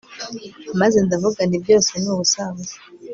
maze ndavuga nti byose ni ubusabusa